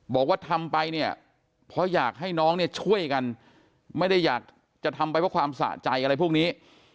บอกว่าทำไปเนี่ยเพราะอยากให้น้องเนี่ยช่วยกันไม่ได้อยากจะทำไปเพราะความสะใจอะไรพวกนี้